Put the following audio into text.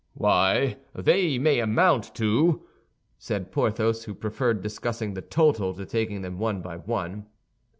"Why, they may amount to—", said Porthos, who preferred discussing the total to taking them one by one.